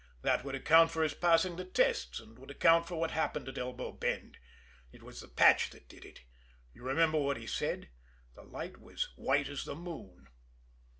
That would account for his passing the tests, and would account for what happened at Elbow Bend. It was the patch that did it you remember what he said the light was white as the moon."